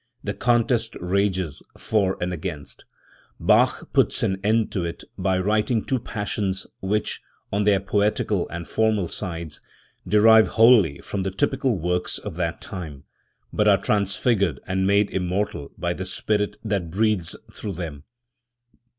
The contest rages, for and against* Bach puts an end to it by writing two Passions which, on their poetical and formal sides, derive wholly from the typical works of that time, but are transfigured and made immortal by the spirit that breathes through them.